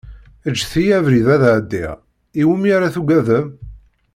Ğǧet-iyi abrid ad ɛeddiɣ, iwumi ara yi-tugadem?